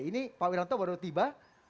ini pak wiranto baru tiba